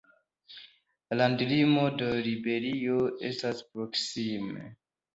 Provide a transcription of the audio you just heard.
La landlimo de Liberio estas proksime.